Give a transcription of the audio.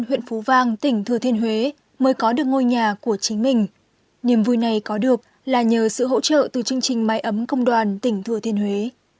huyện phú vang tỉnh thừa thiên huế mới có được ngôi nhà của chính mình niềm vui này có được là nhờ sự hỗ trợ từ chương trình máy ấm công đoàn tỉnh thừa thiên huế